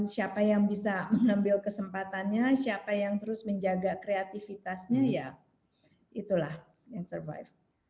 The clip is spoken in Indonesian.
siapa yang bisa mengambil kesempatannya siapa yang terus menjaga kreatifitasnya ya itulah yang survive